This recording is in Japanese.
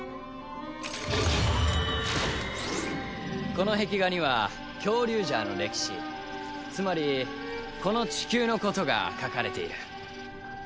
この壁画にはキョウリュウジャーの歴史つまりこの地球のことが描かれている。